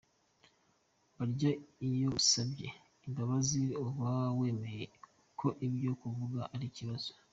Burya iyo usabye imbabazi, uba wemeye ko ibyo tuvuga ari ikibazo.